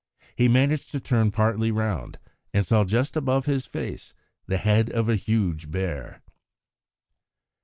He managed to turn partly round, and saw just above his face the head of a huge bear.